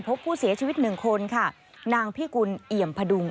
พบผู้เสียชีวิตหนึ่งคนค่ะนางพิกุลเอี่ยมพดุง